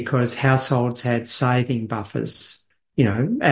karena keluarga memiliki buffer harga